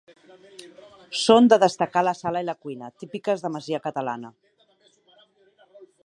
Són de destacar la sala i la cuina, típiques de masia catalana.